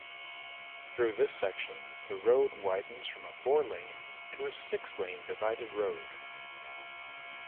Through this section, the road widens from a four-lane to a six-lane divided road.